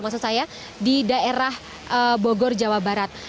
maksud saya di daerah bogor jawa barat